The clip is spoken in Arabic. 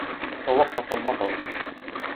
توقّف المطر.